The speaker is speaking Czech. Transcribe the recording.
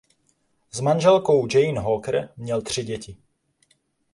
S manželkou Jane Hawker měl tři děti.